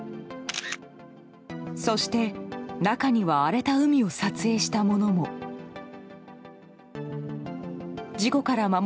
そして、中には荒れた海を撮影したものも。